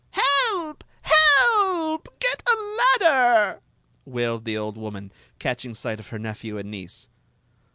••Help! Help! Get a ladder!" wailed the old woman, catching sight of her nephew and niece.